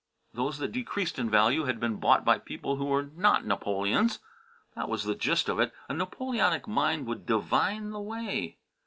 Those that decreased in value had been bought by people who were not Napoleons. That was the gist of it. A Napoleonic mind would divine the way.